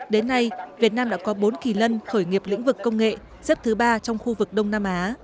đến nay việt nam đã có bốn kỳ lân khởi nghiệp lĩnh vực công nghệ xếp thứ ba trong khu vực đông nam á